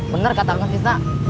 bener kata aku kan kisna